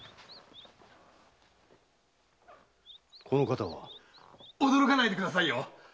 この方は？驚かないでくださいよ。